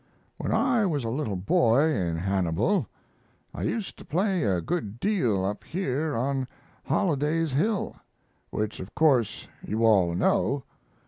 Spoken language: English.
When I was a little boy in Hannibal I used to play a good deal up here on Holliday's Hill, which of course you all know.